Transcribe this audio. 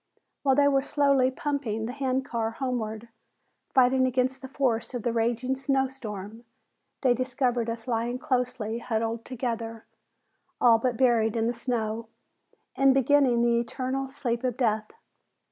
While they were slowly "pumping" the hand car homeward, fighting against the force of the raging snow storm, they discovered us lying closely cuddled together, all but buried in the snow and beginning the eternal sleep of death.